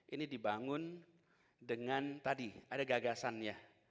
ini dibangun dengan tadi ada gagasannya